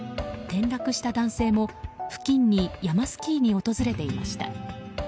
転落した男性も付近に山スキーに訪れていました。